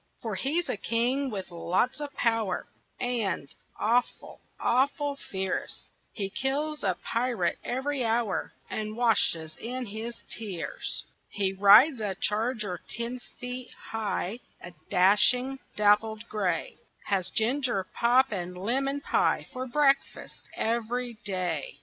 For he's a king with lots of power And awful, awful fierce, He kills a pirate every hour And washes in his tears. He rides a charger ten feet high, A dashing, dappled gray; Has ginger pop and lemon pie For breakfast every day.